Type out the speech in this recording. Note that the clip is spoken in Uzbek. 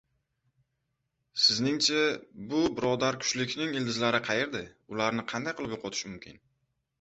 Sizningcha, bu birodarkushlikning ildizlari qayerda, ularni qanday qilib yo‘qotish mumkin?